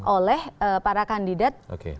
oleh para kandidat